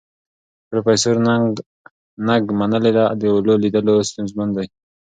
پروفیسور نګ منلې ده، د اولو لیدل ستونزمن دي.